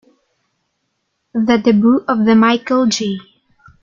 The debut of The Michael J.